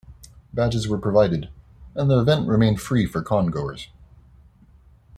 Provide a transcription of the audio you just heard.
Badges were provided, and the event remained free for congoers.